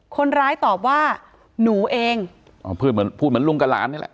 คนร้ายตอบว่าหนูเองพูดเหมือนลูงกลานนี่แหละ